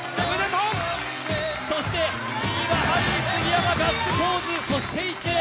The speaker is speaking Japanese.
そして２位はハリー杉山ガッツポーズ、２位。